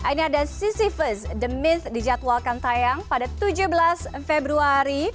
ini ada ccfus the miss dijadwalkan tayang pada tujuh belas februari